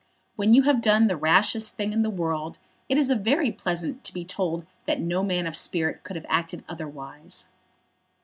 When you have done the rashest thing in the world it is very pleasant to be told that no man of spirit could have acted otherwise.